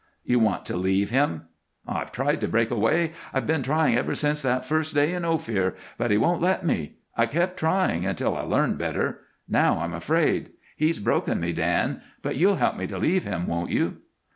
"You want to leave him?" "I've tried to break away, I've been trying ever since that first day in Ophir, but he won't let me. I kept trying until I learned better; now I'm afraid. He's broken me, Dan, but you'll help me to leave him, won't you?"